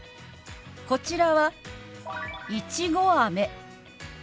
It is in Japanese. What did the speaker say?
こちらは「いちごあめ」。